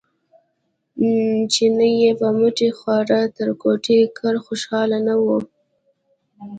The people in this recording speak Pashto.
چیني یې په مټې خوارۍ تر کوټې کړ خوشاله نه و.